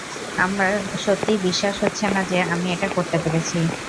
আমার সত্যি বিশ্বাসই হচ্ছে না যে আমি এটা করতে পেরেছি।